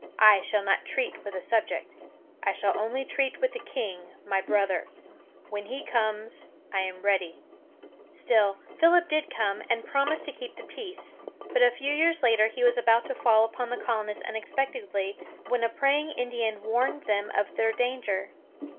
I shall not treat with a subject. I shall only treat with the king, my brother. When he comes, I am ready." [Illustration: An Indian Attack.] Still, Philip did come, and promised to keep the peace. But a few years later, he was about to fall upon the colonists unexpectedly, when a praying Indian warned them of their danger.